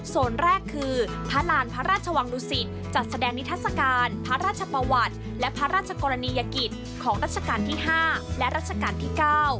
แรกคือพระราณพระราชวังดุสิตจัดแสดงนิทัศกาลพระราชประวัติและพระราชกรณียกิจของรัชกาลที่๕และรัชกาลที่๙